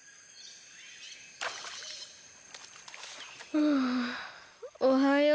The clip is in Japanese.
はあおはよう。